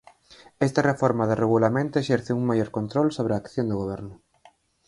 Esta reforma do Regulamento exerce un maior control sobre a acción do Goberno.